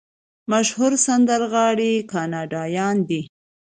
مشهور سندرغاړي کاناډایان دي.